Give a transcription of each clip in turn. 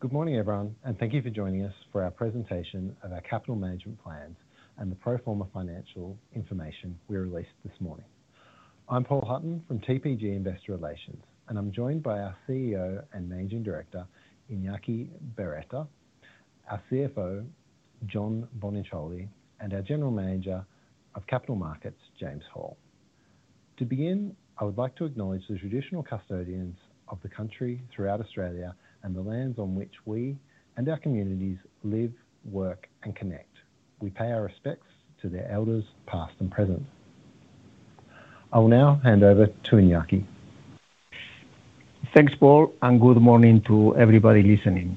Good morning, everyone, and thank you for joining us for our presentation of our capital management plans and the pro forma financial information we released this morning. I'm Paul Hutton TPG Investor Relations, and I'm joined by our CEO and Managing Director, Iñaki Berroeta, our CFO, John Boniciolli, and our General Manager of Capital Markets, James Hall. To begin, I would like to acknowledge the traditional custodians of the country throughout Australia and the lands on which we and our communities live, work, and connect. We pay our respects to their elders, past and present. I will now hand over to Iñaki. Thanks, Paul, and good morning to everybody listening.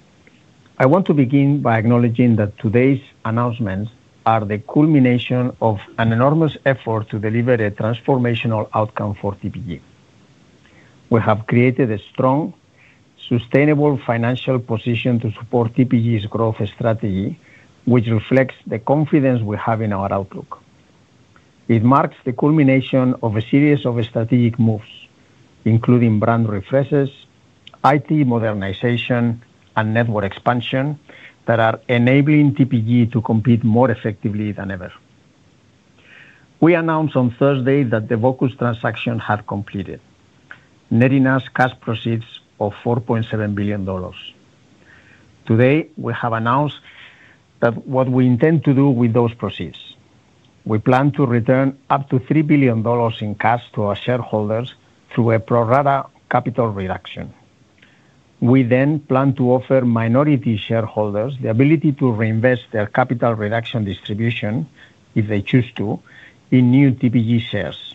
I want to begin by acknowledging that today's announcements are the culmination of an enormous effort to deliver a transformational outcome for TPG. We have created a strong, sustainable financial position to support TPG's growth strategy, which reflects the confidence we have in our outlook. It marks the culmination of a series of strategic moves, including brand refreshes, IT modernization, and network expansion that are TPG to compete more effectively than ever. We announced on Thursday that the c had completed, netting us cash proceeds of 4.7 billion dollars. Today, we have announced what we intend to do with those proceeds. We plan to return up to 3 billion dollars in cash to our shareholders through a pro rata capital reduction. We then plan to offer minority shareholders the ability to reinvest their capital reduction distribution, if they choose to, in TPG shares.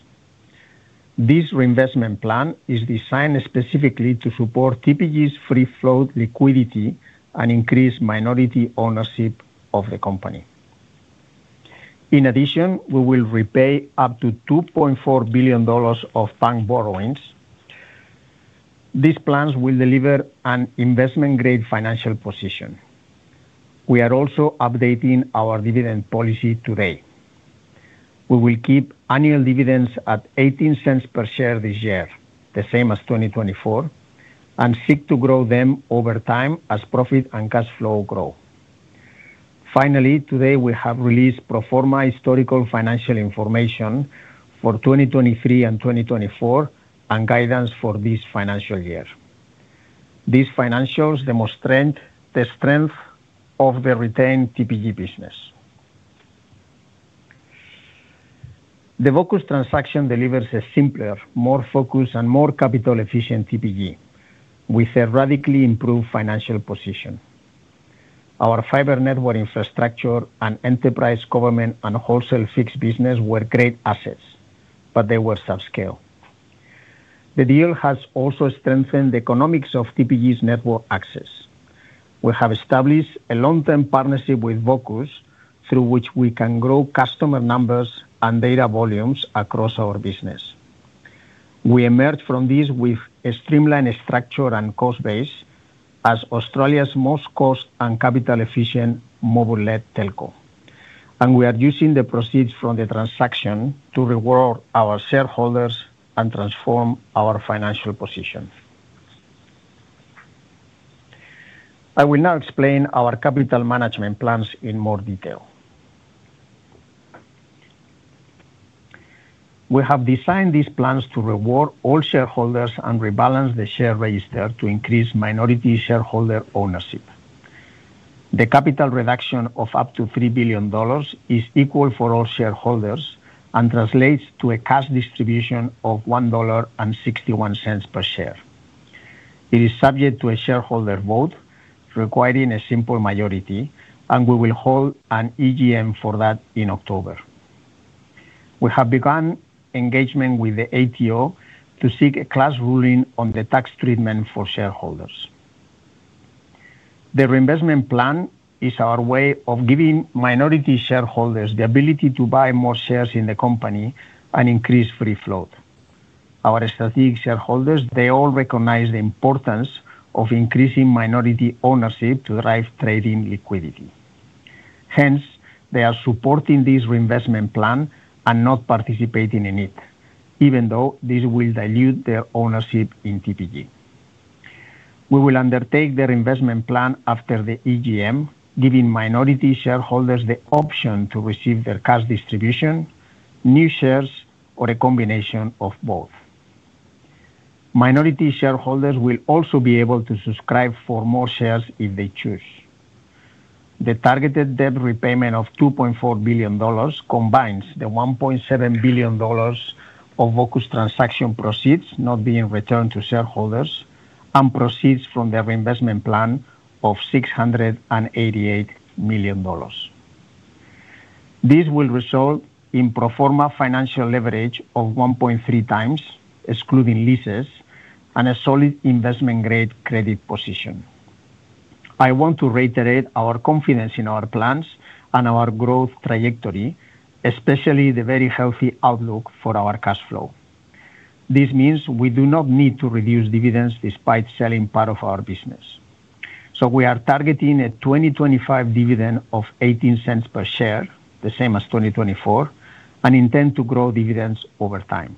This reinvestment plan is designed specifically to support TPG's free-float liquidity and increase minority ownership of the company. In addition, we will repay up to 2.4 billion dollars of bank borrowings. These plans will deliver an investment-grade financial position. We are also updating our dividend policy today. We will keep annual dividends at 0.18 per share this year, the same as 2024, and seek to grow them over time as profit and cash flow grow. Finally, today we have released pro forma historical financial information for 2023 and 2024, and guidance for this financial year. These financials demonstrate the strength of the TPG business. The Vocus transaction delivers a simpler, more focused, and more capital-efficient TPG, with a radically improved financial position. Our fiber network infrastructure and enterprise government and wholesale fixed business were great assets, but they were subscaled. The deal has also strengthened the economics of TPG's network access. We have established a long-term partnership with Vocus, through which we can grow customer numbers and data volumes across our business. We emerge from this with a streamlined structure and cost base, as Australia's most cost and capital-efficient mobile-led telco. We are using the proceeds from the transaction to reward our shareholders and transform our financial position. I will now explain our capital management plans in more detail. We have designed these plans to reward all shareholders and rebalance the share register to increase minority shareholder ownership. The capital reduction of up to 3 billion dollars is equal for all shareholders and translates to a cash distribution of 1.61 dollar per share. It is subject to a shareholder vote, requiring a simple majority, and we will hold an EGM for that in October. We have begun engagement with the ATO to seek a class ruling on the tax treatment for shareholders. The reinvestment plan is our way of giving minority shareholders the ability to buy more shares in the company and increase free float. Our strategic shareholders all recognize the importance of increasing minority ownership to drive trading liquidity. Hence, they are supporting this reinvestment plan and not participating in it, even though this will dilute their ownership in TPG. We will undertake the reinvestment plan after the EGM, giving minority shareholders the option to receive their cash distribution, new shares, or a combination of both. Minority shareholders will also be able to subscribe for more shares if they choose. The targeted debt repayment of 2.4 billion dollars combines the 1.7 billion dollars of Vocus transaction proceeds not being returned to shareholders and proceeds from the reinvestment plan of 688 million dollars. This will result in pro forma financial leverage of 1.3 times, excluding leases, and a solid investment-grade credit position. I want to reiterate our confidence in our plans and our growth trajectory, especially the very healthy outlook for our cash flow. This means we do not need to reduce dividends despite selling part of our business. We are targeting a 2025 dividend of 0.18 per share, the same as 2024, and intend to grow dividends over time.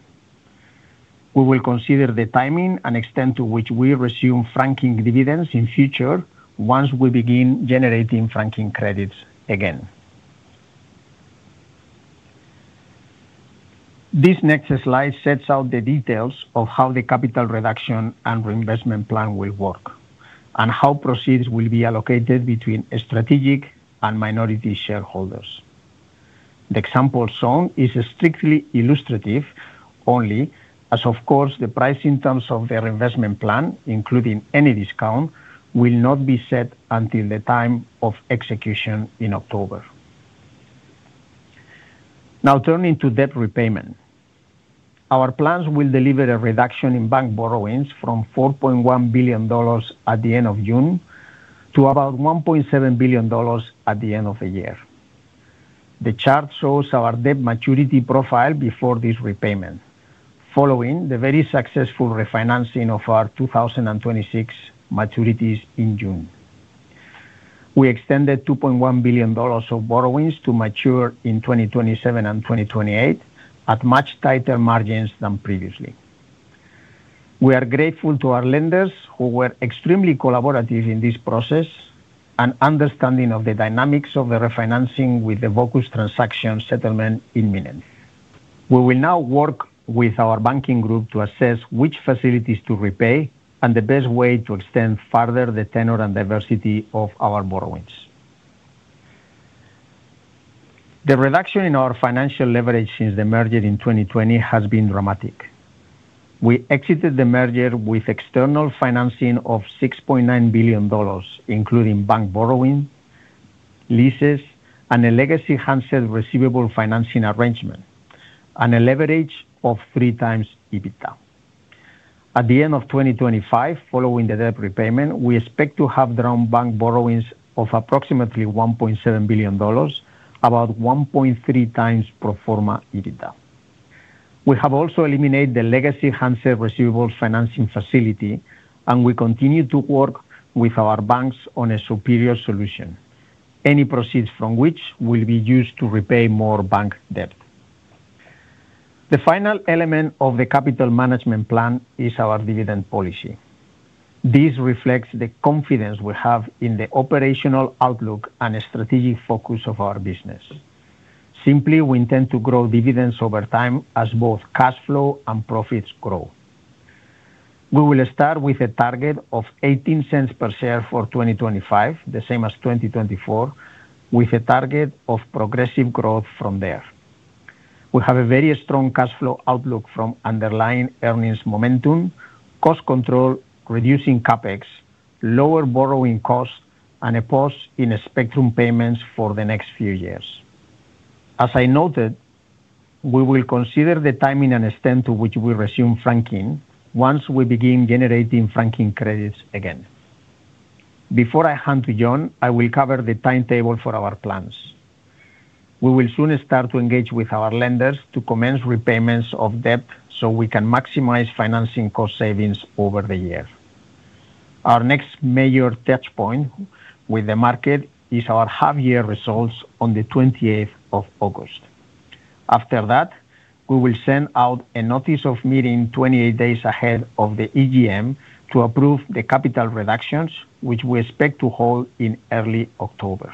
We will consider the timing and extent to which we resume franking dividends in the future once we begin generating franking credits again. This next slide sets out the details of how the capital reduction and reinvestment plan will work and how proceeds will be allocated between strategic and minority shareholders. The example shown is strictly illustrative only, as of course the pricing terms of the reinvestment plan, including any discount, will not be set until the time of execution in October. Now, turning to debt repayment, our plans will deliver a reduction in bank borrowings from 4.1 billion dollars at the end of June to about 1.7 billion dollars at the end of the year. The chart shows our debt maturity profile before this repayment, following the very successful refinancing of our 2026 maturities in June. We extended 2.1 billion dollars of borrowings to mature in 2027 and 2028, at much tighter margins than previously. We are grateful to our lenders, who were extremely collaborative in this process and understanding of the dynamics of the refinancing with the Vocus transaction settlement imminent. We will now work with our banking group to assess which facilities to repay and the best way to extend further the tenor and diversity of our borrowings. The reduction in our financial leverage since the merger in 2020 has been dramatic. We exited the merger with external financing of 6.9 billion dollars, including bank borrowing, leases, and a legacy handset receivable financing arrangement, and a leverage of 3x EBITDA. At the end of 2025, following the debt repayment, we expect to have drawn bank borrowings of approximately 1.7 billion dollars, about 1.3x pro forma EBITDA. We have also eliminated the legacy handset receivables financing facility, and we continue to work with our banks on a superior solution, any proceeds from which will be used to repay more bank debt. The final element of the capital management plan is our dividend policy. This reflects the confidence we have in the operational outlook and strategic focus of our business. Simply, we intend to grow dividends over time as both cash flow and profits grow. We will start with a target of 0.18 per share for 2025, the same as 2024, with a target of progressive growth from there. We have a very strong cash flow outlook from underlying earnings momentum, cost control, reducing CapEx, lower borrowing costs, and a pause in spectrum payments for the next few years. As I noted, we will consider the timing and extent to which we resume franking once we begin generating franking credits again. Before I hand to John, I will cover the timetable for our plans. We will soon start to engage with our lenders to commence repayments of debt so we can maximize financing cost savings over the year. Our next major touchpoint with the market is our half-year results on the 28th of August. After that, we will send out a notice of meeting 28 days ahead of the EGM to approve the capital reductions, which we expect to hold in early October.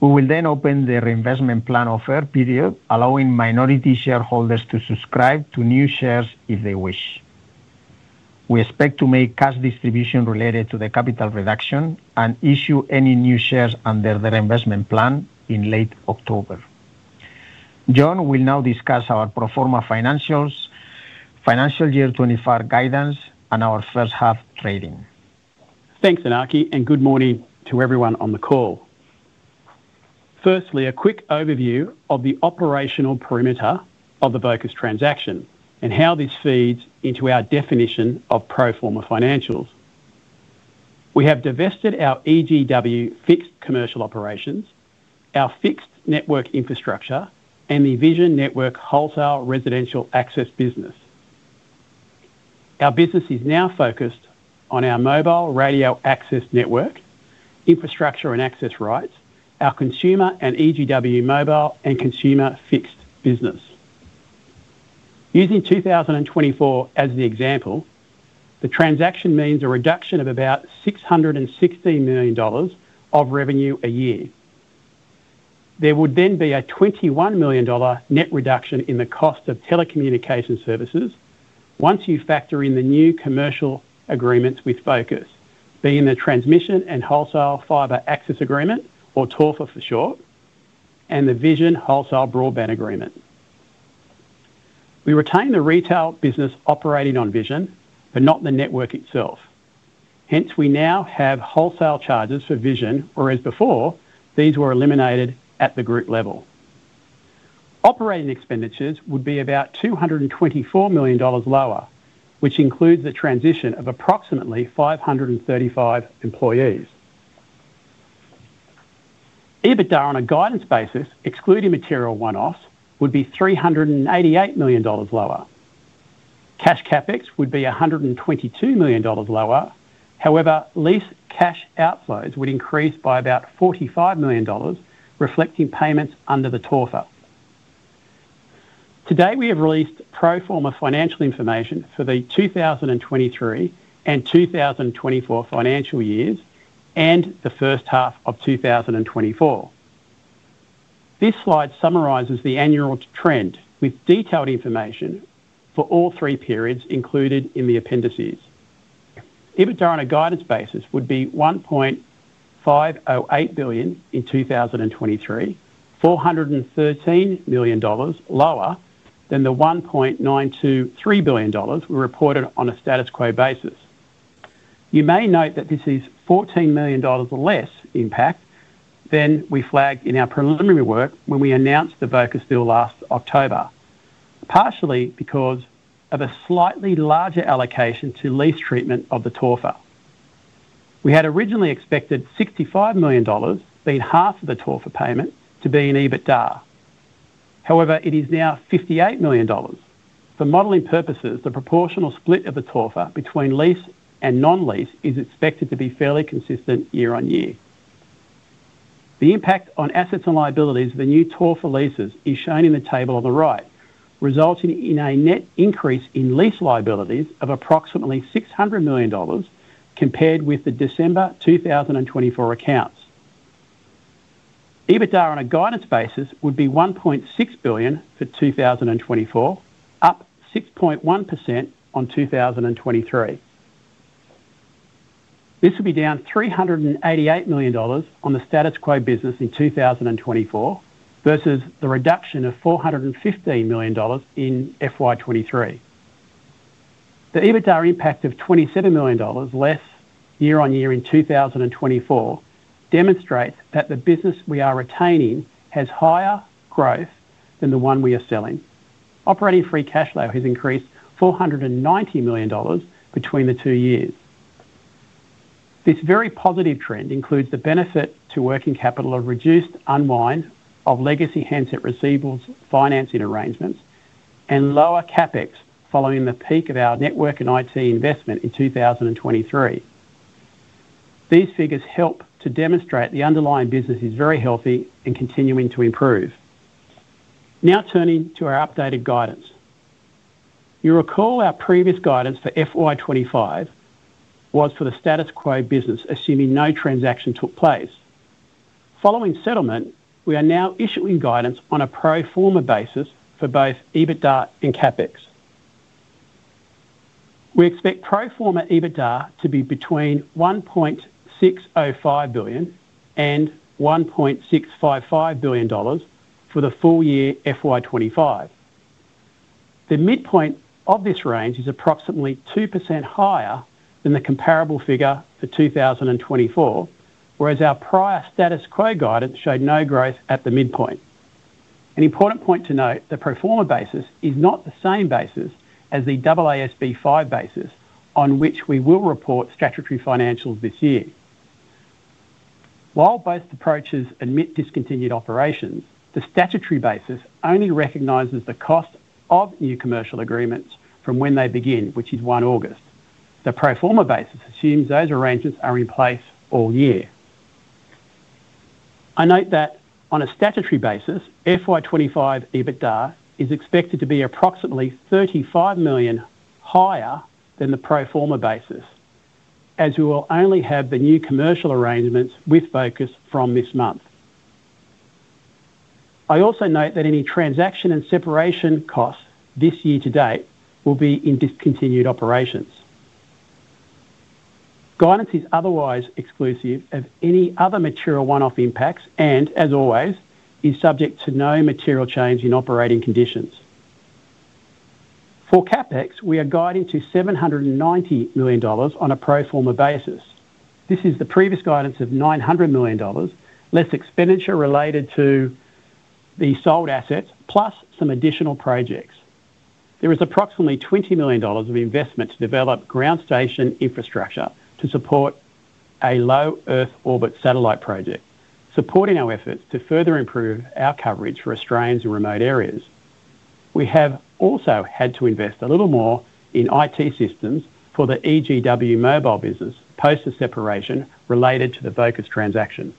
We will then open the reinvestment plan offer period, allowing minority shareholders to subscribe to new shares if they wish. We expect to make cash distribution related to the capital reduction and issue any new shares under the reinvestment plan in late October. John will now discuss our pro forma financials, financial year 2025 guidance, and our first half trading. Thanks, Iñaki, and good morning to everyone on the call. Firstly, a quick overview of the operational perimeter of the Vocus transaction and how this feeds into our definition of pro forma financials. We have divested our EGW fixed commercial operations, our fixed network infrastructure, and the Vision Network wholesale residential access business. Our business is now focused on our mobile radio access network, infrastructure and access rights, our consumer and EGW mobile and consumer fixed business. Using 2024 as the example, the transaction means a reduction of about 616 million dollars of revenue a year. There would then be a 21 million dollar net reduction in the cost of telecommunication services once you factor in the new commercial agreements with Vocus, being the Transmission and Wholesale Fibre Access Agreement, or TWFAA for short, and the Vision Wholesale Broadband Agreement. We retain the retail business operating on Vision, but not the network itself. Hence, we now have wholesale charges for Vision, whereas before, these were eliminated at the group level. Operating expenditures would be about 224 million dollars lower, which includes a transition of approximately 535 employees. EBITDA on a guidance basis, excluding material one-offs, would be 388 million dollars lower. Cash CapEx would be 122 million dollars lower; however, lease cash outflows would increase by about 45 million dollars, reflecting payments under the TWFAA. Today, we have released pro forma financial information for the 2023 and 2024 financial years and the first half of 2024. This slide summarizes the annual trend with detailed information for all three periods included in the appendices. EBITDA on a guidance basis would be 1.508 billion in 2023, 413 million dollars lower than the 1.923 billion dollars we reported on a status quo basis. You may note that this is 14 million dollars less impact than we flagged in our preliminary work when we announced the Vocus deal last October, partially because of a slightly larger allocation to lease treatment of the TWFAA. We had originally expected 65 million dollars, being half of the TWFAA payment, to be in EBITDA. However, it is now 58 million dollars. For modeling purposes, the proportional split of the TWFAA between lease and non-lease is expected to be fairly consistent year-on-year. The impact on assets and liabilities of the new TWFAA leases is shown in the table on the right, resulting in a net increase in lease liabilities of approximately 600 million dollars compared with the December 2024 accounts. EBITDA on a guidance basis would be 1.6 billion for 2024, up 6.1% on 2023. This would be down 388 million dollars on the status quo business in 2024 versus the reduction of 415 million dollars in FY 2023. The EBITDA impact of 27 million dollars less year-on-year in 2024 demonstrates that the business we are retaining has higher growth than the one we are selling. Operating free cash flow has increased 490 million dollars between the two years. This very positive trend includes the benefit to working capital of reduced unwind of legacy handset receivables financing arrangements and lower CapEx following the peak of our network and IT investment in 2023. These figures help to demonstrate the underlying business is very healthy and continuing to improve. Now turning to our updated guidance. You recall our previous guidance for FY 2025 was for the status quo business, assuming no transaction took place. Following settlement, we are now issuing guidance on a pro forma basis for both EBITDA and CapEx. We expect pro forma EBITDA to be between 1.605 billion and 1.655 billion dollars for the full year FY 2025. The midpoint of this range is approximately 2% higher than the comparable figure for 2024, whereas our prior status quo guidance showed no growth at the midpoint. An important point to note, the pro forma basis is not the same basis as the AASB 5 basis on which we will report statutory financials this year. While both approaches admit discontinued operations, the statutory basis only recognizes the cost of new commercial agreements from when they begin, which is August 1. The pro forma basis assumes those arrangements are in place all year. I note that on a statutory basis, FY 2025 EBITDA is expected to be approximately 35 million higher than the pro forma basis, as we will only have the new commercial arrangements with Vocus from this month. I also note that any transaction and separation costs this year to date will be in discontinued operations. Guidance is otherwise exclusive of any other material one-off impacts and, as always, is subject to no material change in operating conditions. For CapEx, we are guiding to 790 million dollars on a pro forma basis. This is the previous guidance of 900 million dollars less expenditure related to the sold assets plus some additional projects. There is approximately 20 million dollars of investment to develop ground station infrastructure to support a low Earth orbit satellite project, supporting our efforts to further improve our coverage for Australians in remote areas. We have also had to invest a little more in IT systems for the EGW mobile business post the separation related to the Vocus transaction.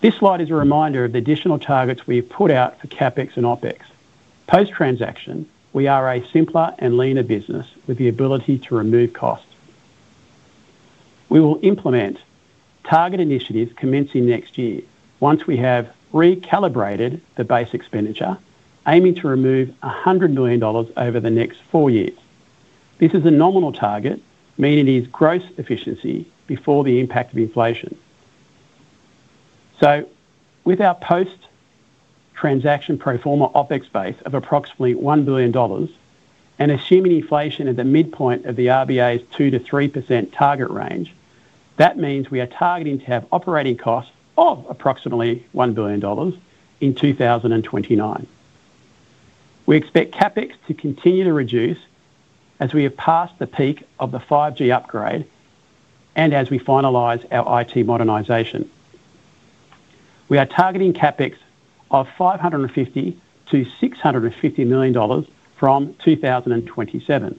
This slide is a reminder of the additional targets we've put out for CapEx and OpEx. Post-transaction, we are a simpler and leaner business with the ability to remove costs. We will implement target initiatives commencing next year once we have recalibrated the base expenditure, aiming to remove 100 million dollars over the next four years. This is a nominal target, meaning it is gross efficiency before the impact of inflation. With our post-transaction pro forma OpEx base of approximately 1 billion dollars and assuming inflation at the midpoint of the RBA's 2%-3% target range, that means we are targeting to have operating costs of approximately 1 billion dollars in 2029. We expect CapEx to continue to reduce as we have passed the peak of the 5G upgrade and as we finalize our IT modernization. We are targeting CapEx of 550 million to 650 million dollars from 2027.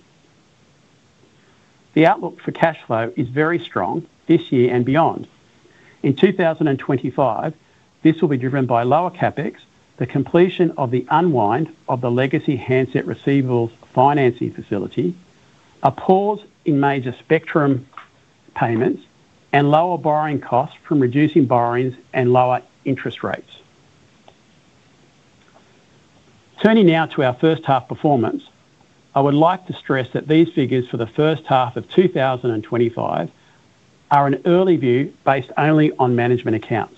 The outlook for cash flow is very strong this year and beyond. In 2025, this will be driven by lower CapEx, the completion of the unwind of the legacy handset receivables financing facility, a pause in major spectrum payments, and lower borrowing costs from reducing borrowings and lower interest rates. Turning now to our first half performance, I would like to stress that these figures for the first half of 2025 are an early view based only on management accounts.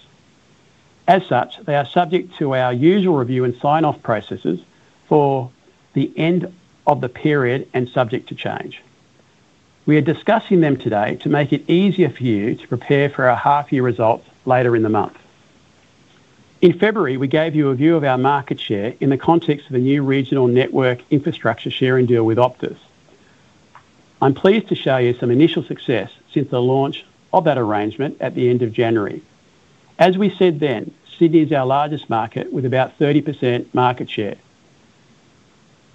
As such, they are subject to our usual review and sign-off processes for the end of the period and subject to change. We are discussing them today to make it easier for you to prepare for our half-year results later in the month. In February, we gave you a view of our market share in the context of a new regional network infrastructure sharing deal with Optus. I'm pleased to show you some initial success since the launch of that arrangement at the end of January. As we said then, Sydney is our largest market with about 30% market share.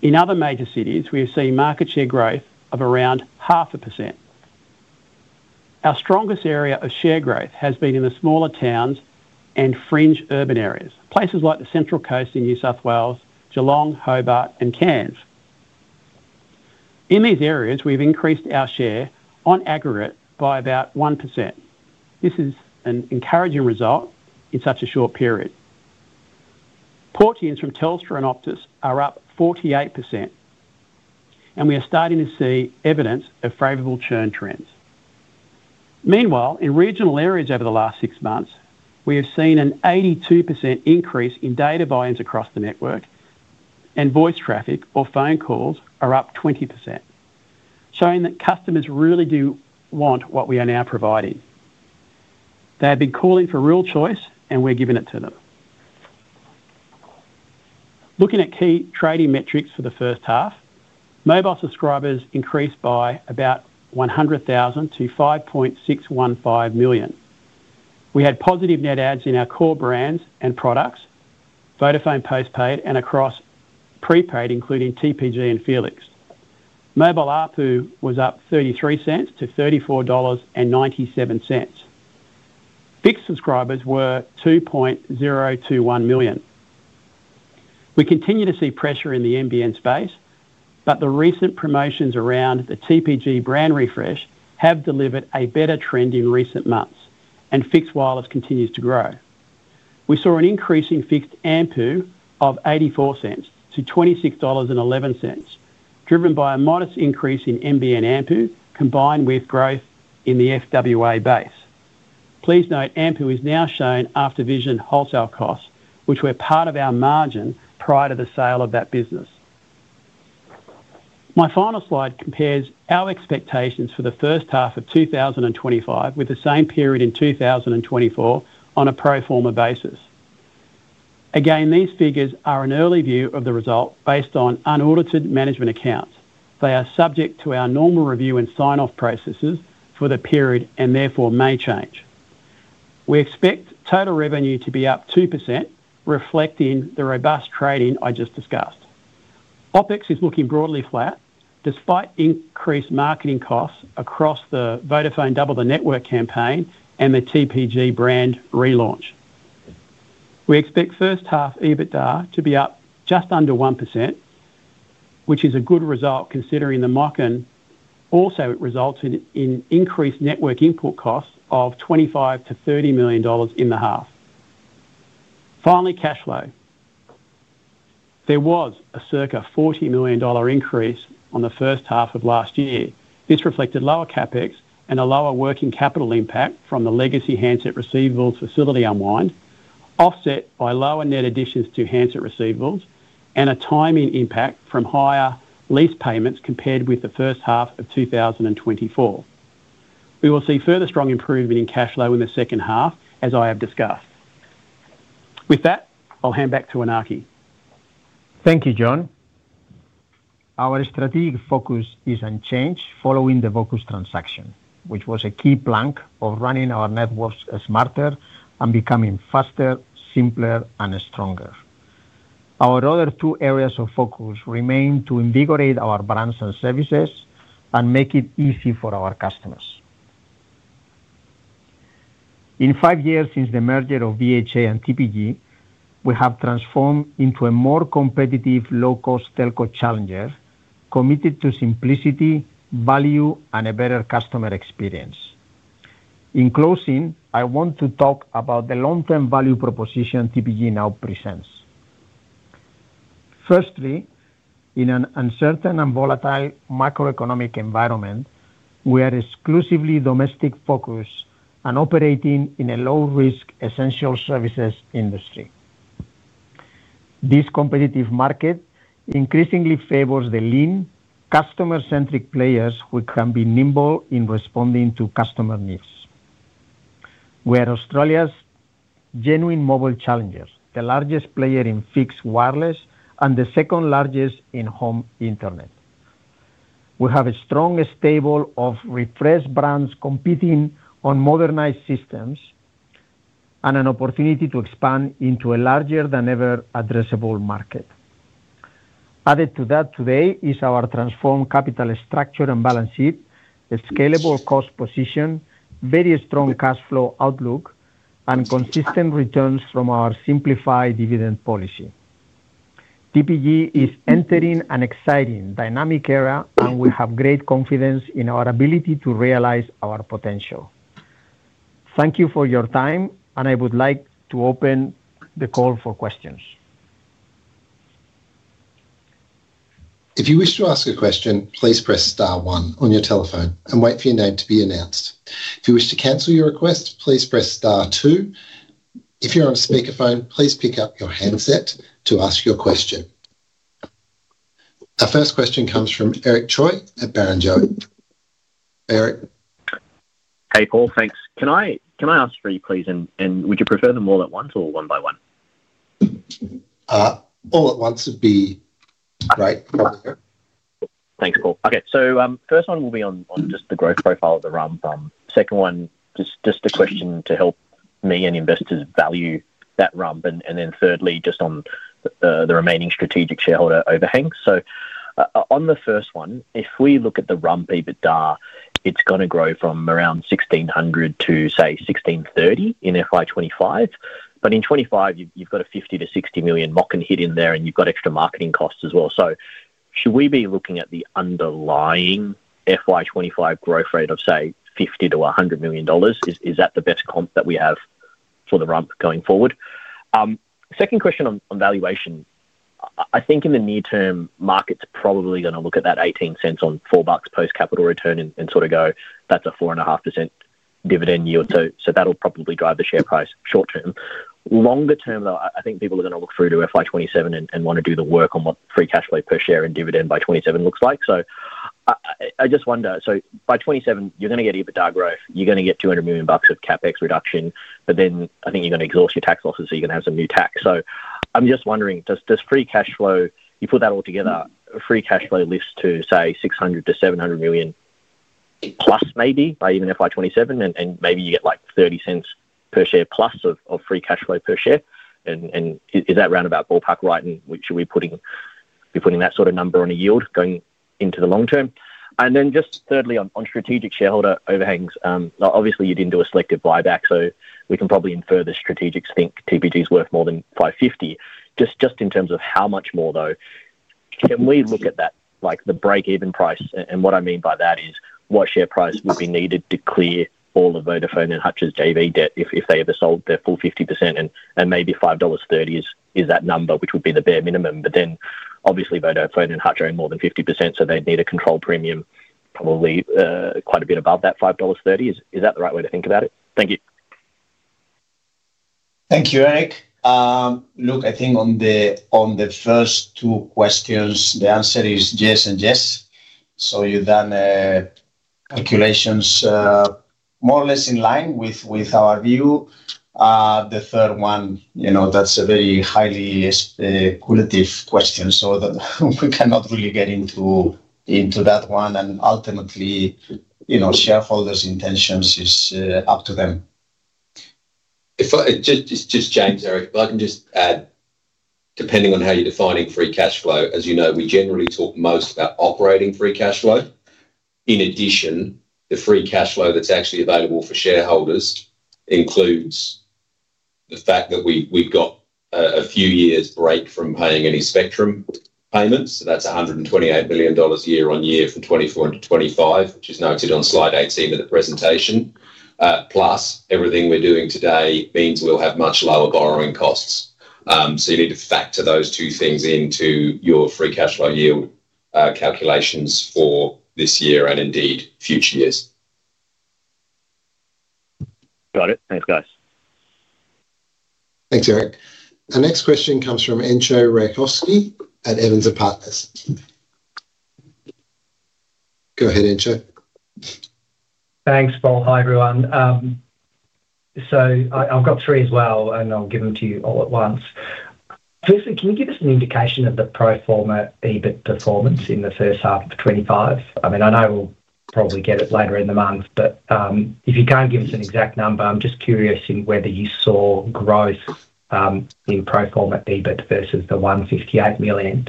In other major cities, we have seen market share growth of around 0.5%. Our strongest area of share growth has been in the smaller towns and fringe urban areas, places like the Central Coast in New South Wales, Geelong, Hobart, and Cairns. In these areas, we've increased our share on aggregate by about 1%. This is an encouraging result in such a short period. Port-ins from Telstra and Optus are up 48%, and we are starting to see evidence of favorable churn trends. Meanwhile, in regional areas over the last six months, we have seen an 82% increase in data volumes across the network, and voice traffic or phone calls are up 20%, showing that customers really do want what we are now providing. They have been calling for real choice, and we're giving it to them. Looking at key trading metrics for the first half, mobile subscribers increased by about 100,000 to 5.615 million. We had positive net adds in our core brands and products, Vodafone postpaid and across prepaid, including TPG and Felix. Mobile ARPU was up 0.33 to 34.97 dollars. Fixed subscribers were 2.021 million. We continue to see pressure in the NBN space, but the recent promotions around the TPG brand refresh have delivered a better trend in recent months, and fixed wireless continues to grow. We saw an increase in fixed ANPU of 0.84 to AUD 26.11, driven by a modest increase in NBN ANPU, combined with growth in the fixed wireless base. Please note, ANPU is now shown after Vision wholesale costs, which were part of our margin prior to the sale of that business. My final slide compares our expectations for the first half of 2025 with the same period in 2024 on a pro forma basis. Again, these figures are an early view of the result based on unaudited management accounts. They are subject to our normal review and sign-off processes for the period and therefore may change. We expect total revenue to be up 2%, reflecting the robust trading I just discussed. OpEx is looking broadly flat, despite increased marketing costs across the Vodafone Double the Network campaign and the TPG brand relaunch. We expect first half EBITDA to be up just under 1%, which is a good result considering the market. Also, it results in increased network input costs of 25 to 30 million dollars in the half. Finally, cash flow. There was a circa 40 million dollar increase on the first half of last year. This reflected lower CapEx and a lower working capital impact from the legacy handset receivables facility unwind, offset by lower net additions to handset receivables and a timing impact from higher lease payments compared with the first half of 2024. We will see further strong improvement in cash flow in the second half, as I have discussed. With that, I'll hand back to Iñaki. Thank you, John. Our strategic focus is unchanged following the Vocus transaction, which was a key plank of running our networks smarter and becoming faster, simpler, and stronger. Our other two areas of focus remain to invigorate our brands and services and make it easy for our customers. In five years since the merger of VHA and TPG, we have transformed into a more competitive, low-cost telco challenger, committed to simplicity, value, and a better customer experience. In closing, I want to talk about the long-term value proposition TPG now presents. Firstly, in an uncertain and volatile macroeconomic environment, we are exclusively domestic-focused and operating in a low-risk essential services industry. This competitive market increasingly favors the lean, customer-centric players who can be nimble in responding to customer needs. We are Australia's genuine mobile challenger, the largest player in fixed wireless and the second largest in home internet. We have a strong stable of refresh brands competing on modernized systems and an opportunity to expand into a larger than ever addressable market. Added to that today is our transformed capital structure and balance sheet, a scalable cost position, very strong cash flow outlook, and consistent returns from our simplified dividend policy. TPG is entering an exciting, dynamic era, and we have great confidence in our ability to realize our potential. Thank you for your time, and I would like to open the call for questions. If you wish to ask a question, please press star one on your telephone and wait for your name to be announced. If you wish to cancel your request, please press star two. If you're on a speakerphone, please pick up your handset to ask your question. Our first question comes from Eric Choi at Barrenjoey. Eric. Hey, Paul, thanks. Can I ask for you, please? Would you prefer them all at once or one by one? All at once would be great. Thanks, Paul. Okay, so first one will be on just the growth profile of the RUMP. Second one, just a question to help me and investors value that RUMP. Thirdly, just on the remaining strategic shareholder overhangs. On the first one, if we look at the RUMP EBITDA, it's going to grow from around 1,600 million to say 1,630 million in FY 2025. In 2025, you've got a 50 million to 60 million mock-in hit in there, and you've got extra marketing costs as well. Should we be looking at the underlying FY 2025 growth rate of say 50 million to 100 million dollars? Is that the best comp that we have for the RUMP going forward? Second question on valuation. I think in the near term, markets are probably going to look at that 0.18 on 4 bucks post-capital return and sort of go, that's a 4.5% dividend yield. That'll probably drive the share price short term. Longer term, though, I think people are going to look through to FY 2027 and want to do the work on what free cash flow per share and dividend by 2027 looks like. I just wonder, by 2027, you're going to get EBITDA growth, you're going to get 200 million bucks of CapEx reduction, but then I think you're going to exhaust your tax losses, so you're going to have some new tax. I'm just wondering, does free cash flow, you put that all together, a free cash flow lifts to say 600 million to 700 million plus maybe by even FY 2027, and maybe you get like 0.30 per share plus of free cash flow per share. Is that roundabout ballpark wide? Should we be putting that sort of number on a yield going into the long term? Thirdly, on strategic shareholder overhangs, obviously you didn't do a selective buyback, so we can probably infer the strategics TPG is worth more than 5.50. In terms of how much more, though, can we look at that like the break-even price? What I mean by that is what share price would be needed to clear all of Vodafone and Hutchison's JV debt if they ever sold their full 50%, and maybe 5.30 dollars is that number, which would be the bare minimum. Obviously Vodafone and Hutchison own more than 50%, so they'd need a control premium probably quite a bit above that 5.30 dollars. Is that the right way to think about it? Thank you. Thank you, Eric. I think on the first two questions, the answer is yes and yes. You've done calculations more or less in line with our view. The third one, you know, that's a very highly speculative question, so we cannot really get into that one. Ultimately, shareholders' intentions are up to them. It's James, Eric. I can just add, depending on how you're defining free cash flow, as you know, we generally talk most about operating free cash flow. In addition, the free cash flow that's actually available for shareholders includes the fact that we've got a few years' break from paying any spectrum payments. That's 128 million dollars year-on-year from 2024 to 2025, which is noted on slide 18 of the presentation. Plus, everything we're doing today means we'll have much lower borrowing costs. You need to factor those two things into your free cash flow yield calculations for this year and indeed future years. Got it. Thanks, guys. Thanks, Eric. Our next question comes from Entcho Raykovski at Evans & Partners. Go ahead, Entcho. Thanks, Paul. Hi everyone. I've got three as well, and I'll give them to you all at once. Firstly, can you give us an indication of the pro forma EBIT performance in the first half of 2025? I know we'll probably get it later in the month, but if you can't give us an exact number, I'm just curious whether you saw growth in pro forma EBIT versus the 158 million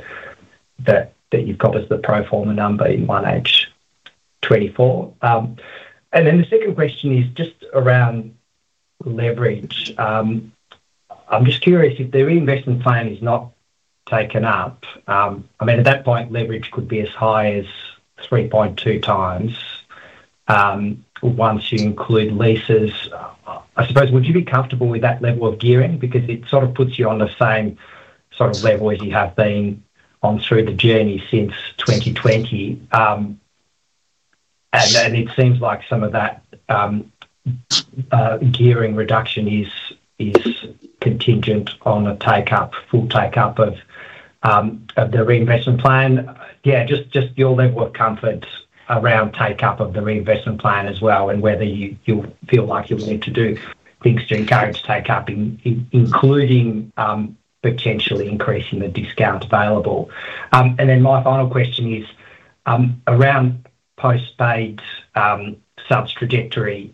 that you've got as the pro forma number in 1H24. The second question is just around leverage. I'm just curious if the reinvestment plan is not taken up. At that point, leverage could be as high as 3.2x once you include leases. I suppose, would you be comfortable with that level of gearing? It sort of puts you on the same sort of level as you have been on through the journey since 2020. It seems like some of that gearing reduction is contingent on the full take-up of the reinvestment plan. Your level of comfort around take-up of the reinvestment plan as well, and whether you feel like you'll need to do things to encourage take-up, including potentially increasing the discount available. My final question is around postpaid subs trajectory.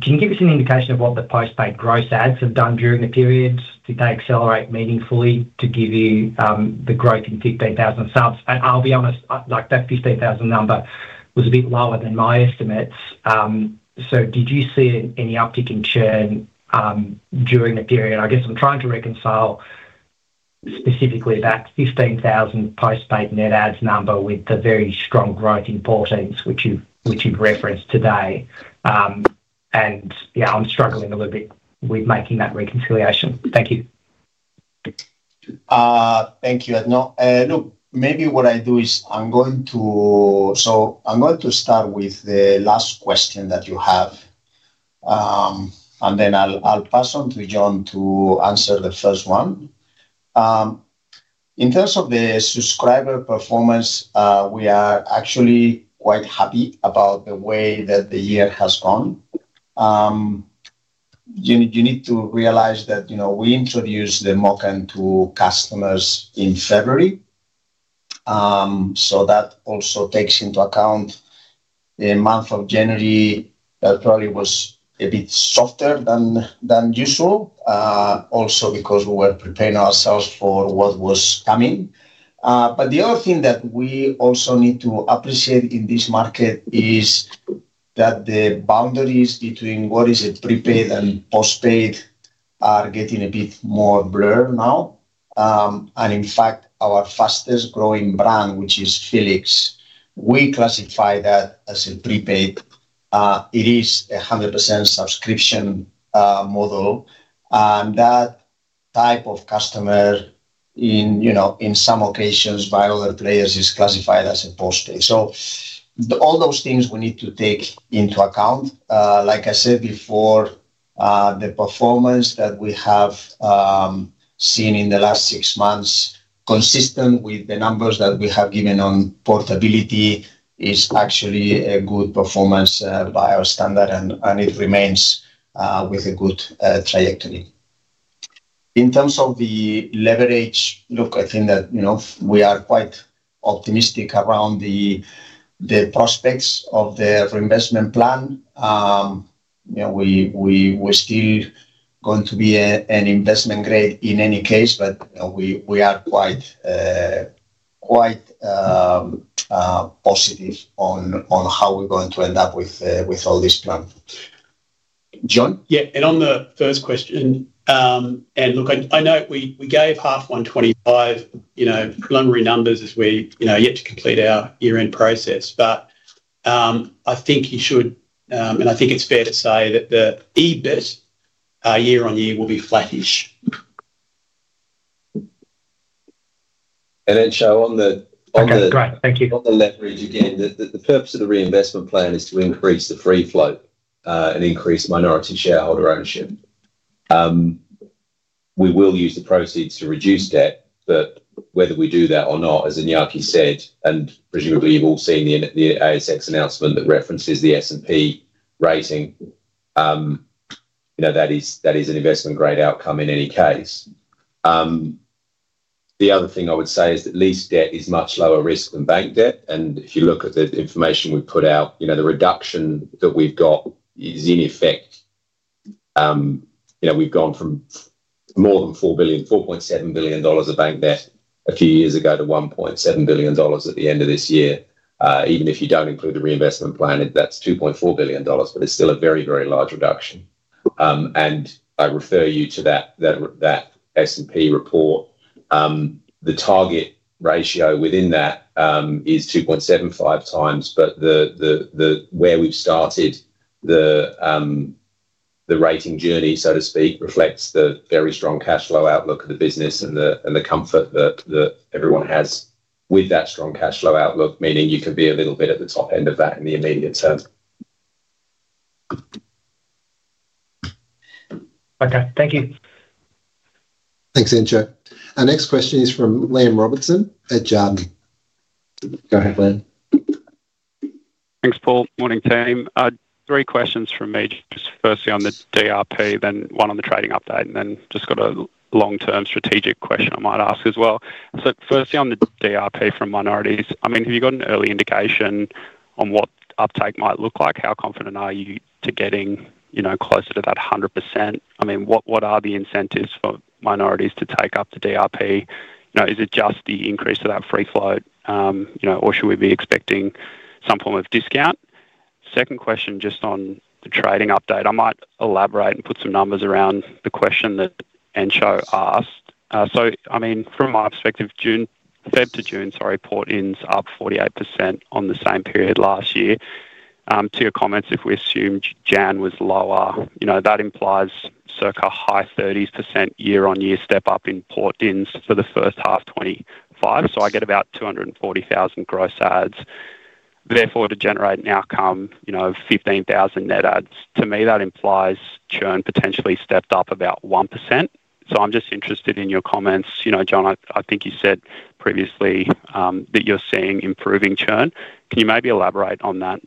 Can you give us an indication of what the postpaid gross adds have done during the periods? Did they accelerate meaningfully to give you the growth in 15,000 subs? I'll be honest, that 15,000 number was a bit lower than my estimates. Did you see any uptick in churn during the period? I'm trying to reconcile specifically that 15,000 postpaid net adds number with the very strong growth in portings, which you've referenced today. I'm struggling a little bit with making that reconciliation. Thank you. Thank you, Entcho. Maybe what I do is I'm going to start with the last question that you have. Then I'll pass on to John to answer the first one. In terms of the subscriber performance, we are actually quite happy about the way that the year has gone. You need to realize that, you know, we introduced the mock-in to customers in February. That also takes into account the month of January. That probably was a bit softer than usual, also because we were preparing ourselves for what was coming. The other thing that we also need to appreciate in this market is that the boundaries between what is prepaid and postpaid are getting a bit more blurred now. In fact, our fastest growing brand, which is Felix, we classify that as a prepaid. It is a 100% subscription model. That type of customer, in some occasions, by other players, is classified as a postpaid. All those things we need to take into account. Like I said before, the performance that we have seen in the last six months, consistent with the numbers that we have given on portability, is actually a good performance by our standard, and it remains with a good trajectory. In terms of the leverage, look, I think that we are quite optimistic around the prospects of the reinvestment plan. We're still going to be an investment grade in any case, but we are quite positive on how we're going to end up with all this trump. John? Yeah, on the first question, I know we gave half on 2025 preliminary numbers as we're yet to complete our year-end process, but I think you should, and I think it's fair to say that the EBIT year-on-year will be flattish. On the. That's great. Thank you. On the leverage again, the purpose of the reinvestment plan is to increase the free-float and increase minority shareholder ownership. We will use the proceeds to reduce debt, but whether we do that or not, as Iñaki said, and presumably you've all seen the ASX announcement that references the S&P rating, you know that is an investment-grade outcome in any case. The other thing I would say is that lease debt is much lower risk than bank debt, and if you look at the information we put out, you know the reduction that we've got is in effect. We've gone from more than 4.7 billion dollars of bank debt a few years ago to 1.7 billion dollars at the end of this year. Even if you don't include the reinvestment plan, that's 2.4 billion dollars, but it's still a very, very large reduction. I refer you to that S&P report. The target ratio within that is 2.75x, but where we've started the rating journey, so to speak, reflects the very strong cash flow outlook of the business and the comfort that everyone has with that strong cash flow outlook, meaning you could be a little bit at the top end of that in the immediate term. Okay, thank you. Thanks, Encho. Our next question is from Liam Robertson at Jarden. Go ahead, Liam. Thanks, Paul. Morning team. Three questions from me. Firstly on the DRP, then one on the trading update, and then just got a long-term strategic question I might ask as well. Firstly on the DRP from minorities, have you got an early indication on what uptake might look like? How confident are you to getting, you know, closer to that 100%? What are the incentives for minorities to take up the DRP? Is it just the increase to that free-float, or should we be expecting some form of discount? Second question just on the trading update. I might elaborate and put some numbers around the question that Entcho asked. From my perspective, June to June, sorry, portings up 48% on the same period last year. To your comments, if we assumed Jan was lower, that implies circa high 30% year-on-year step up in portings for the first half 2025. I get about 240,000 gross ads. Therefore, to generate an outcome of 15,000 net ads, to me, that implies churn potentially stepped up about 1%. I'm interested in your comments. John, I think you said previously that you're seeing improving churn. Can you maybe elaborate on that,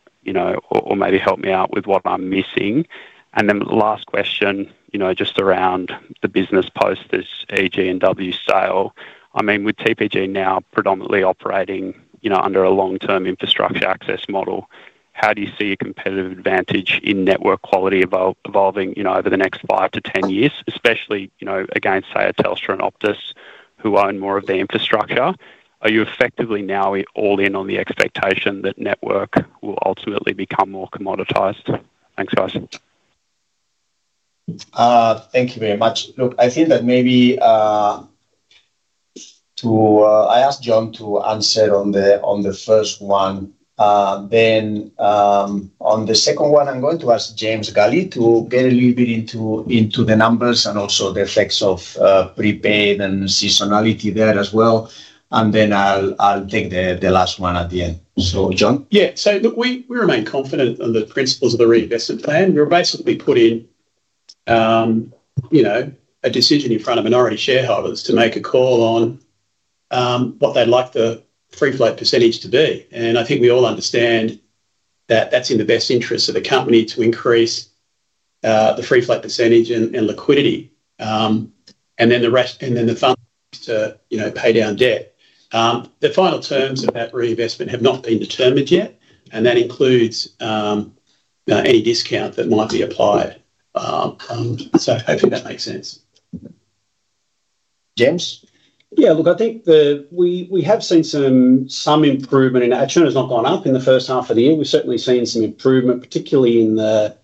or maybe help me out with what I'm missing? Last question, just around the business post EGW sale. With TPG now predominantly operating under a long-term infrastructure access model, how do you see a competitive advantage in network quality evolving over the next five to ten years, especially against, say, a Telstra and Optus, who own more of the infrastructure? Are you effectively now all in on the expectation that network will ultimately become more commoditised? Thanks, Isaac. Thank you very much. Look, I think that maybe I ask John to answer on the first one. On the second one, I'm going to ask James Gully to get a little bit into the numbers and also the effects of prepaid and seasonality there as well. I'll take the last one at the end. John? Yeah, look, we remain confident on the principles of the reinvestment plan. We're basically putting a decision in front of minority shareholders to make a call on what they'd like the free-float percentage to be. I think we all understand that it's in the best interest of the company to increase the free-float percentage and liquidity, and then the funds to pay down debt. The final terms of that reinvestment have not been determined yet, and that includes any discount that might be applied. Hopefully that makes sense. James? Yeah, look, I think we have seen some improvement. Our churn has not gone up in the first half of the year. We've certainly seen some improvement, particularly in the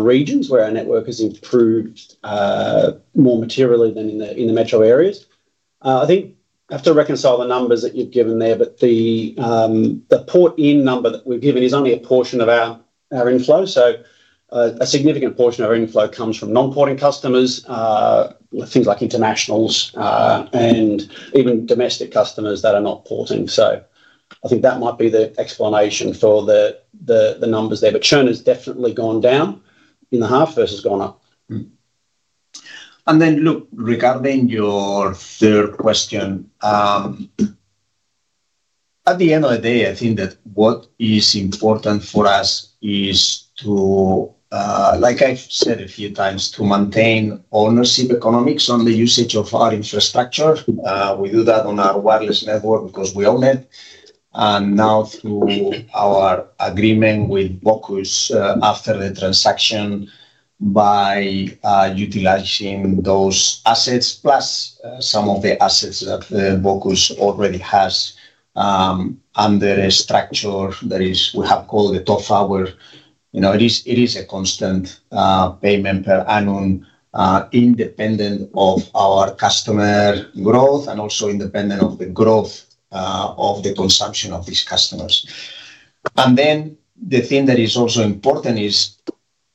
regions where our network has improved more materially than in the metro areas. I think I have to reconcile the numbers that you've given there, but the port-in number that we've given is only a portion of our inflow. A significant portion of our inflow comes from non-porting customers, things like internationals and even domestic customers that are not porting. I think that might be the explanation for the numbers there. Churn has definitely gone down in the half versus gone up. Regarding your third question, at the end of the day, I think that what is important for us is to, like I've said a few times, maintain ownership economics on the usage of our infrastructure. We do that on our wireless network because we own it. Now through our agreement with Vocus after the transaction, by utilizing those assets, plus some of the assets that Vocus already has under a structure that we have called the TWFAA, where it is a constant payment per annum, independent of our customer growth and also independent of the growth of the consumption of these customers. The thing that is also important is,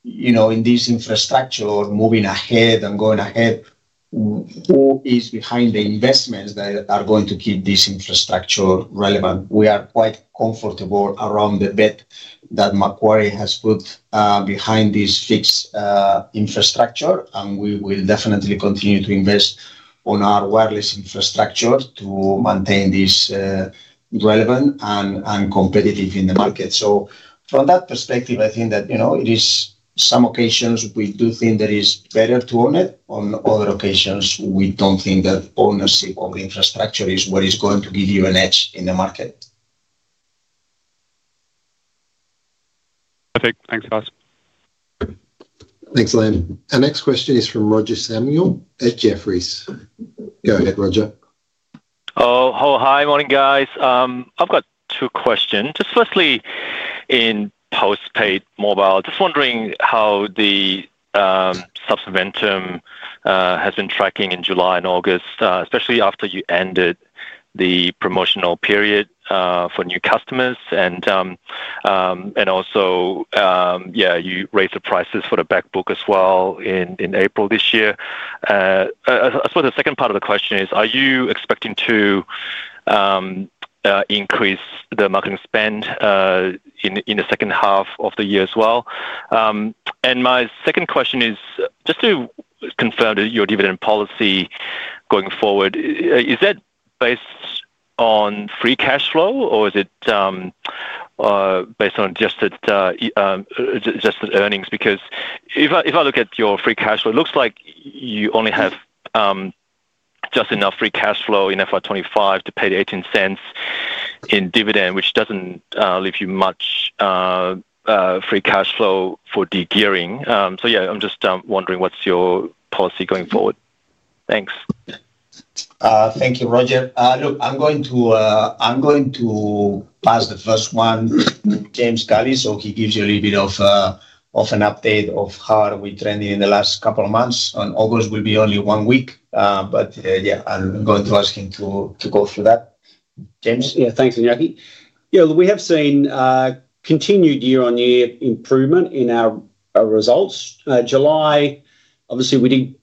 in this infrastructure moving ahead and going ahead, who is behind the investments that are going to keep this infrastructure relevant? We are quite comfortable around the bet that Macquarie has put behind this fixed infrastructure, and we will definitely continue to invest on our wireless infrastructure to maintain this relevant and competitive in the market. From that perspective, I think that, you know, it is some occasions we do think that it is better to own it. On other occasions, we don't think that ownership of the infrastructure is what is going to give you an edge in the market. Okay, thanks, guys. Thanks, Liam. Our next question is from Roger Samuel at Jefferies. Go ahead, Roger. Oh, hi, morning guys. I've got two questions. Firstly, in postpaid mobile, just wondering how the subs inventum has been tracking in July and August, especially after you ended the promotional period for new customers. You raised the prices for the backbook as well in April this year. I suppose the second part of the question is, are you expecting to increase the marketing spend in the second half of the year as well? My second question is, just to confirm that your dividend policy going forward, is that based on free cash flow or is it based on just earnings? Because if I look at your free cash flow, it looks like you only have just enough free cash flow in FY 2025 to pay the 0.18 in dividend, which doesn't leave you much free cash flow for degearing. I'm just wondering what's your policy going forward. Thanks. Thank you, Roger. Look, I'm going to pass the first one to James Gully so he gives you a little bit of an update of how we're trending in the last couple of months. On August, we'll be only one week, but yeah, I'm going to ask him to go through that. James? Yeah, thanks, Iñaki. Yeah, we have seen continued year-on-year improvement in our results. July, obviously, we did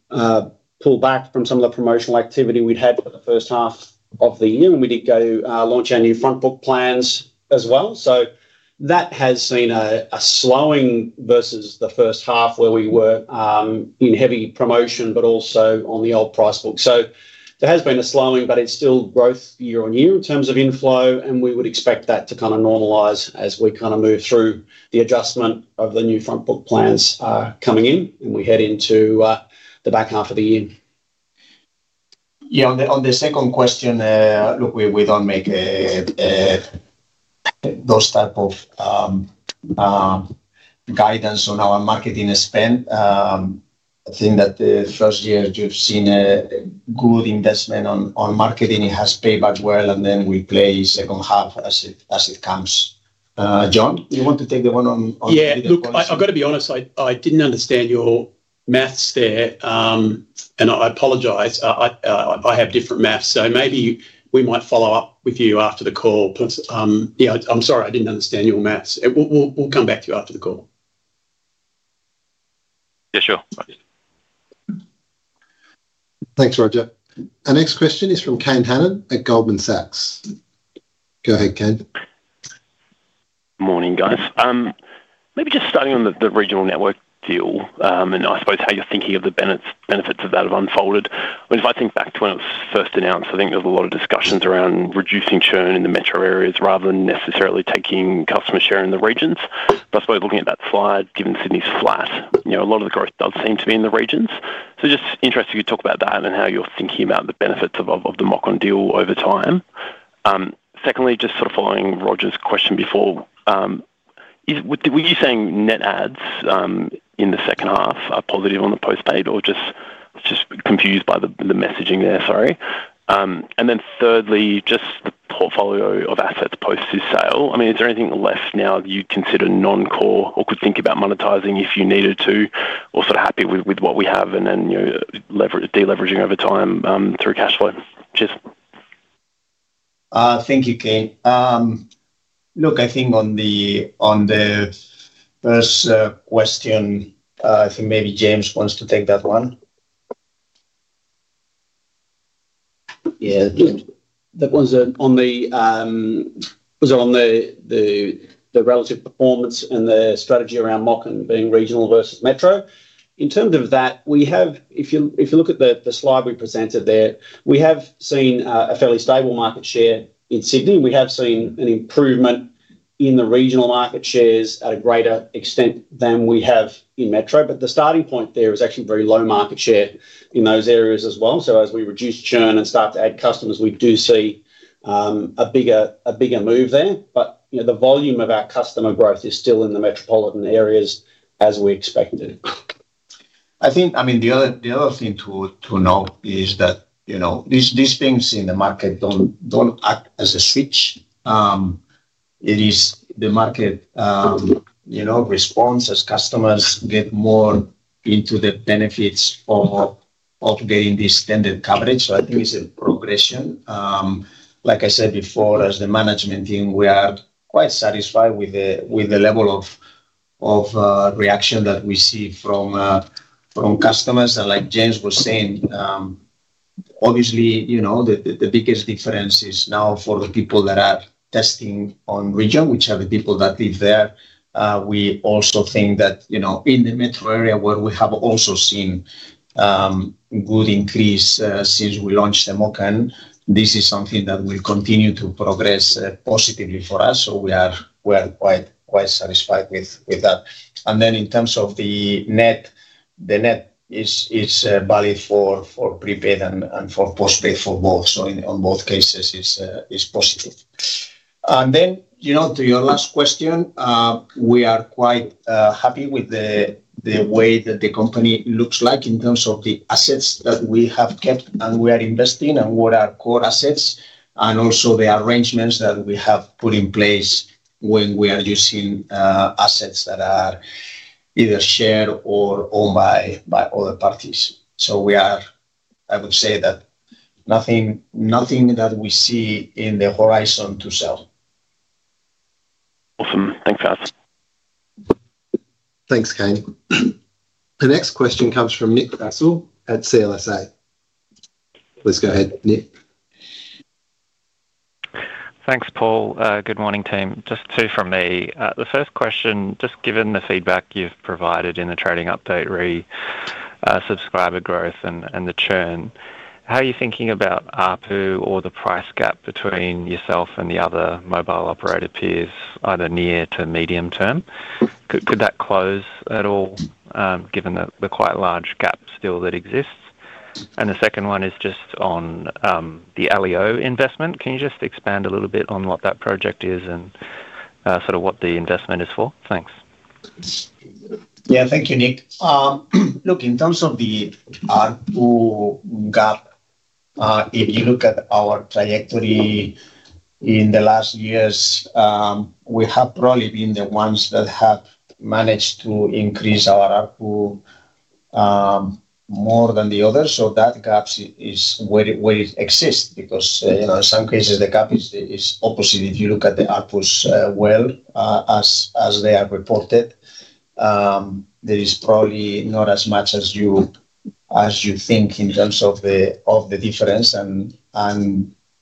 pull back from some of the promotional activity we'd had for the first half of the year, and we did go launch our new frontbook plans as well. That has seen a slowing versus the first half where we were in heavy promotion, but also on the old price book. There has been a slowing, but it's still growth year-on-year in terms of inflow, and we would expect that to kind of normalise as we kind of move through the adjustment of the new frontbook plans coming in when we head into the back half of the year. Yeah, on the second question, look, we don't make those types of guidance on our marketing spend. I think that the first year you've seen a good investment on marketing. It has paid back well, and then we play second half as it comes. John, you want to take the one on? Yeah, look, I've got to be honest, I didn't understand your maths there, and I apologize. I have different maths, so maybe we might follow up with you after the call. I'm sorry, I didn't understand your maths. We'll come back to you after the call. Yeah, sure. Thanks, Roger. Our next question is from Kane Hannon at Goldman Sachs. Go ahead, Kane. Morning, guys. Maybe just starting on the regional network deal, and I suppose how you're thinking of the benefits of that have unfolded. I mean, if I think back to when it was first announced, I think there were a lot of discussions around reducing churn in the metro areas rather than necessarily taking customer share in the regions. I suppose looking at that slide, given Sydney's flat, a lot of the growth does seem to be in the regions. Just interested you could talk about that and how you're thinking about the benefits of the Optus deal over time. Secondly, just sort of following Roger's question before, were you saying net adds in the second half are positive on the postpaid or just confused by the messaging there? Sorry. Thirdly, just the portfolio of assets post this sale. Is there anything left now that you'd consider non-core or could think about monetizing if you needed to or sort of happy with what we have and then deleveraging over time through cash flow? Cheers. Thank you, Kane. I think on the first question, I think maybe James wants to take that one. Yeah, that one's on the relative performance and the strategy around mock-in being regional versus metro. In terms of that, if you look at the slide we presented there, we have seen a fairly stable market share in Sydney, and we have seen an improvement in the regional market shares at a greater extent than we have in metro. The starting point there is actually very low market share in those areas as well. As we reduce churn and start to add customers, we do see a bigger move there. The volume of our customer growth is still in the metropolitan areas as we expected. I think the other thing to note is that these things in the market don't act as a switch. It is the market response as customers get more into the benefits of getting this standard coverage. I think it's a progression. Like I said before, as the management team, we are quite satisfied with the level of reaction that we see from customers. Like James was saying, obviously, the biggest difference is now for the people that are testing on region, which are the people that live there. We also think that in the metro area where we have also seen a good increase since we launched the mock-in, this is something that will continue to progress positively for us. We are quite satisfied with that. In terms of the net, the net is valid for prepaid and for postpaid for both. In both cases, it's positive. To your last question, we are quite happy with the way that the company looks like in terms of the assets that we have kept and we are investing in and what are core assets and also the arrangements that we have put in place when we are using assets that are either shared or owned by other parties. I would say that nothing that we see in the horizon to sell. Awesome. Thanks, Alex. Thanks, Kane. The next question comes from Nick Basile at CLSA. Please go ahead, Nick. Thanks, Paul. Good morning, team. Just two from me. The first question, just given the feedback you've provided in the trading update, really subscriber growth and the churn, how are you thinking about ARPU or the price gap between yourself and the other mobile operator peers, either near to medium term? Could that close at all, given the quite large gap still that exists? The second one is just on the LEO investment. Can you just expand a little bit on what that project is and sort of what the investment is for? Thanks. Yeah, thank you, Nick. Look, in terms of the ARPU gap, if you look at our trajectory in the last years, we have probably been the ones that have managed to increase our ARPU more than the others. That gap is where it exists because, you know, in some cases, the gap is opposite. If you look at the ARPUs as they are reported, there is probably not as much as you think in terms of the difference.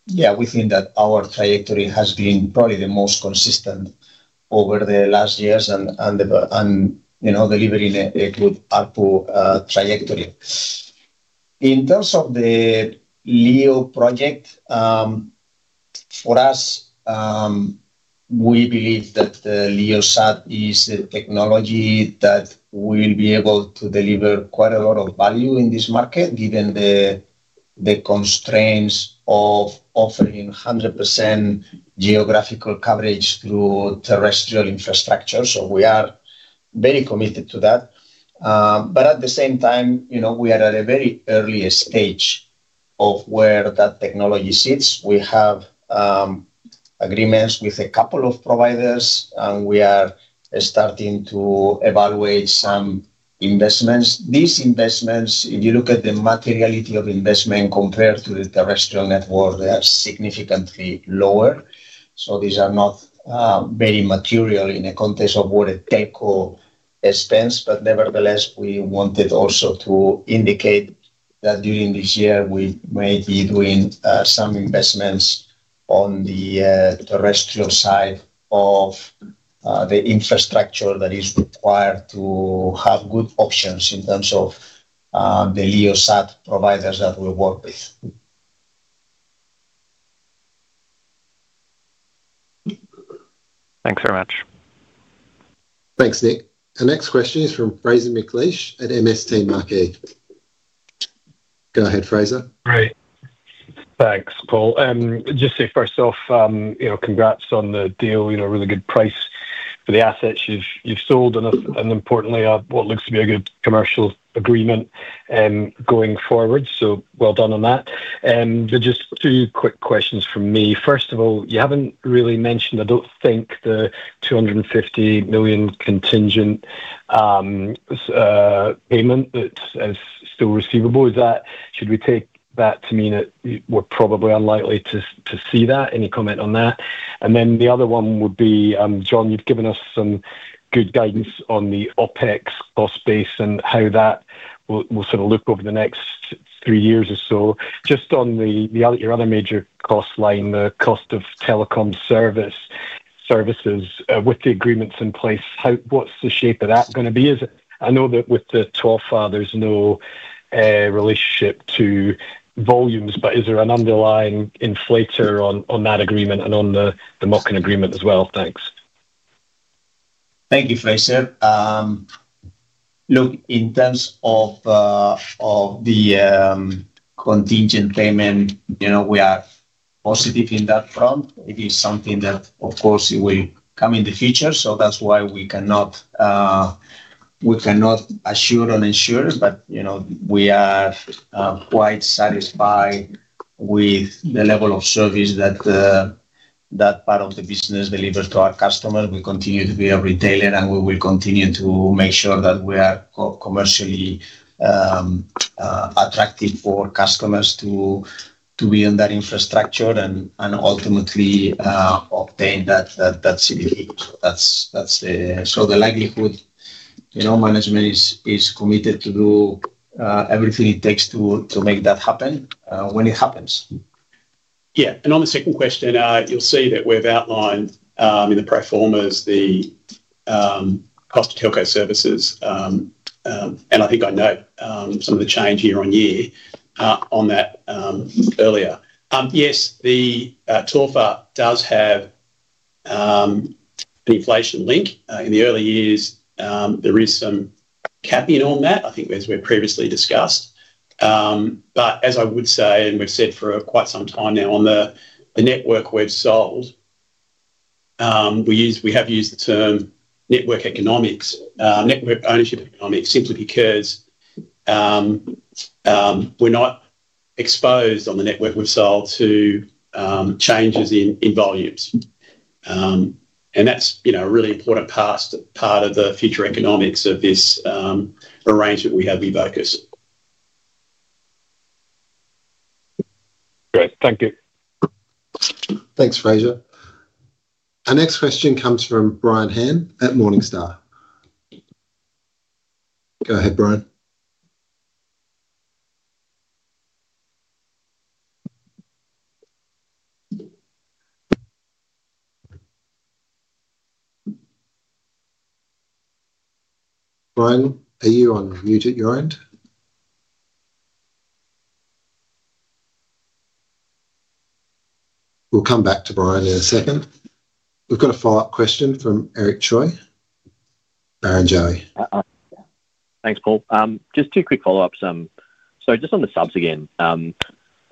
Yeah, we think that our trajectory has been probably the most consistent over the last years and, you know, delivering a good ARPU trajectory. In terms of the LEO satellite ground infrastructure project, for us, we believe that the LEO satellite is a technology that will be able to deliver quite a lot of value in this market, given the constraints of offering 100% geographical coverage through terrestrial infrastructure. We are very committed to that. At the same time, you know, we are at a very early stage of where that technology sits. We have agreements with a couple of providers, and we are starting to evaluate some investments. These investments, if you look at the materiality of investment compared to the terrestrial network, they are significantly lower. These are not very material in the context of what a telco expense is, but nevertheless, we wanted also to indicate that during this year, we may be doing some investments on the terrestrial side of the infrastructure that is required to have good options in terms of the LEO satellite providers that we work with. Thanks very much. Thanks, Nick. Our next question is from Fraser McLeish at MST Market. Go ahead, Fraser. Hi, thanks, Paul. Just say first off, you know, congrats on the deal, you know, really good price for the assets you've sold, and importantly, what looks to be a good commercial agreement going forward. So well done on that. Just two quick questions from me. First of all, you haven't really mentioned, I don't think, the 250 million contingent payment that is still receivable. Should we take that to mean that we're probably unlikely to see that? Any comment on that? The other one would be, John, you've given us some good guidance on the OpEx cost base and how that will sort of look over the next three years or so. Just on your other major cost line, the cost of telecom services, with the agreements in place, what's the shape of that going to be? I know that with the TWFAA, there's no relationship to volumes, but is there an underlying inflator on that agreement and on the mock-in agreement as well? Thanks. Thank you, Fraser. In terms of the contingent payment, we are positive on that front. It is something that, of course, will come in the future. That's why we cannot assure on insurance, but we are quite satisfied with the level of service that part of the business delivers to our customers. We continue to be a retailer, and we will continue to make sure that we are commercially attractive for customers to be on that infrastructure and ultimately obtain that CVE. The likelihood is, management is committed to do everything it takes to make that happen when it happens. Yeah, and on the second question, you'll see that we've outlined in the pro forma the cost of telco services, and I think I know some of the change year-on-year on that earlier. Yes, the TWFAA does have an inflation link. In the early years, there is some capping on that, as we've previously discussed. As I would say, and we've said for quite some time now, on the network we've sold, we have used the term network economics, network ownership economics, simply because we're not exposed on the network we've sold to changes in volumes. That's a really important part of the future economics of this arrangement we have with Vocus. Great, thank you. Thanks, Fraser. Our next question comes from Brian Han at Morningstar. Go ahead, Brian. Brian, are you on mute at your end? We'll come back to Brian in a second. We've got a follow-up question from Eric Choi, Barrenjoey. Thanks, Paul. Just two quick follow-ups. Just on the subs again, at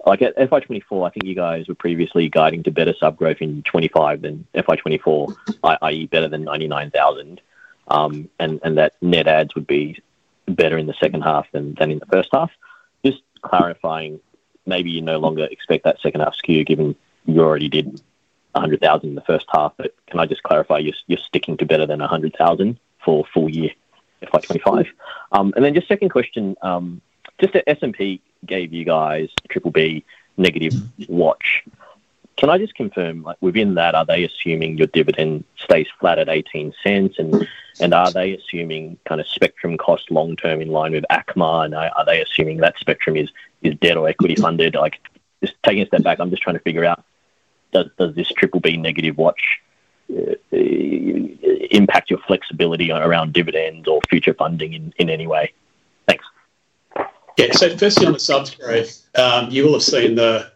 FY2024, I think you guys were previously guiding to better sub growth in 2025 than FY2024, i.e., better than 99,000. That net adds would be better in the second half than in the first half. Just clarifying, maybe you no longer expect that second half to skew given you already did 100,000 in the first half. Can I just clarify you're sticking to better than 100,000 for a full year FY 2025? Second question, the S&P gave you guys triple B negative watch. Can I just confirm, within that, are they assuming your dividend stays flat at 0.18? Are they assuming kind of spectrum cost long-term in line with ACMA? Are they assuming that spectrum is debt or equity funded? Just taking a step back, I'm just trying to figure out, does this triple B negative watch impact your flexibility around dividends or future funding in any way? Thanks. Yeah, firstly on the subs growth, you will have seen the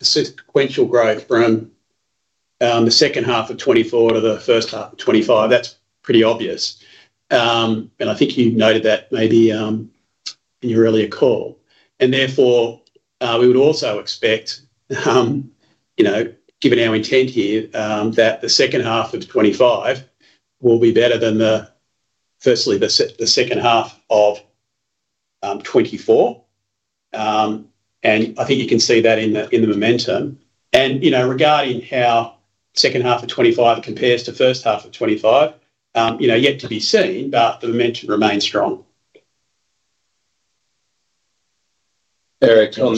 sequential growth from the second half of 2024 to the first half of 2025. That's pretty obvious. I think you noted that maybe in your earlier call. Therefore, we would also expect, given our intent here, that the second half of 2025 will be better than the second half of 2024. I think you can see that in the momentum. Regarding how the second half of 2025 compares to the first half of 2025, yet to be seen, but the momentum remains strong. Eric, on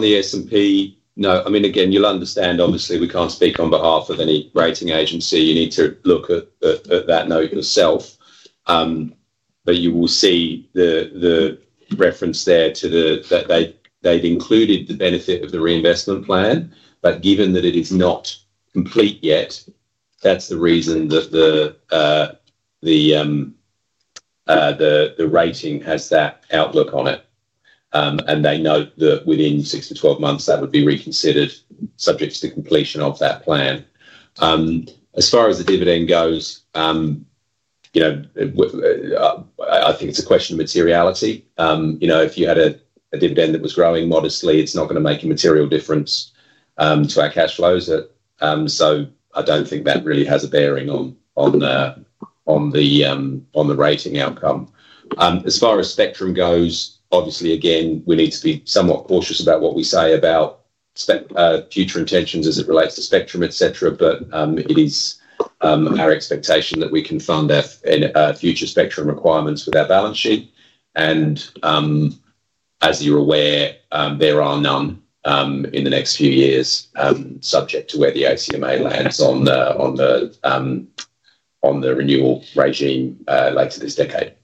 the S&P, no, I mean, again, you'll understand, obviously, we can't speak on behalf of any rating agency. You need to look at that note yourself. You will see the reference there that they'd included the benefit of the reinvestment plan. Given that it is not complete yet, that's the reason that the rating has that outlook on it. They note that within 6 to 12 months, that would be reconsidered subject to completion of that plan. As far as the dividend goes, I think it's a question of materiality. If you had a dividend that was growing modestly, it's not going to make a material difference to our cash flows. I don't think that really has a bearing on the rating outcome. As far as spectrum goes, obviously, we need to be somewhat cautious about what we say about future intentions as it relates to spectrum, etc. It is our expectation that we can fund our future spectrum requirements with our balance sheet. As you're aware, there are none in the next few years subject to where the ACMA lands on the renewal regime later this decade.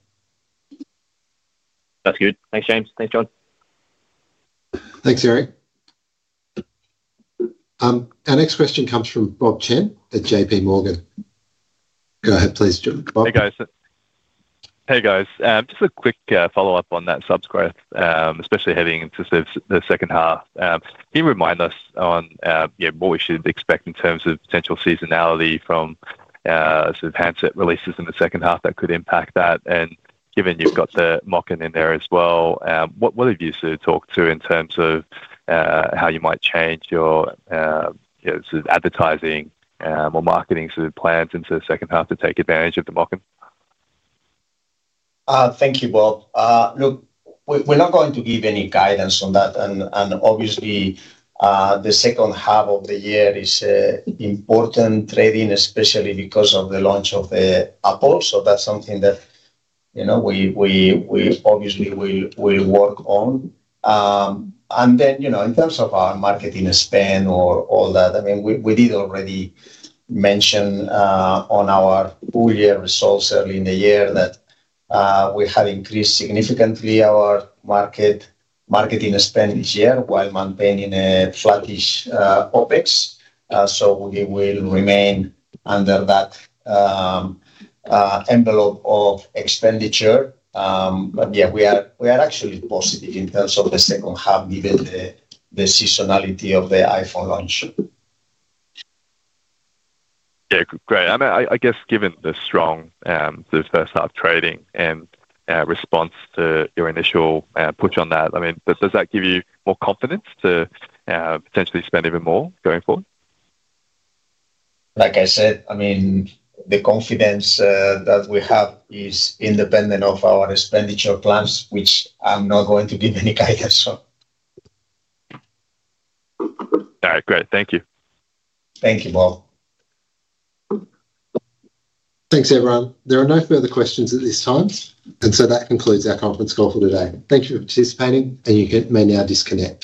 That's good. Thanks, James. Thanks, John. Thanks, Eric. Our next question comes from Bob Chen at JPMorgan. Go ahead, please, Bob. Hey, guys. Just a quick follow-up on that subs growth, especially heading into the second half. Can you remind us on what we should expect in terms of potential seasonality from sort of handset releases in the second half that could impact that? Given you've got the marketing in there as well, what have you sort of talked to in terms of how you might change your sort of advertising or marketing sort of plans into the second half to take advantage of the marketing? Thank you, Bob. Look, we're not going to give any guidance on that. Obviously, the second half of the year is an important trading period, especially because of the launch of the Apple. That's something that we obviously will work on. In terms of our marketing spend or all that, we did already mention on our full year results early in the year that we have increased significantly our marketing spend this year while maintaining a flattish OpEx. We will remain under that envelope of expenditure. Yeah, we are actually positive in terms of the second half given the seasonality of the iPhone launch. Yeah, great. I mean, I guess given the strong sort of first half trading and response to your initial push on that, does that give you more confidence to potentially spend even more going forward? Like I said, the confidence that we have is independent of our expenditure plans, which I'm not going to give any guidance on. All right, great. Thank you. Thank you, Bob. Thanks, everyone. There are no further questions at this time. That concludes our conference call for today. Thank you for participating, and you may now disconnect.